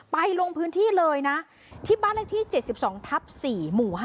ลงพื้นที่เลยนะที่บ้านเลขที่๗๒ทับ๔หมู่๕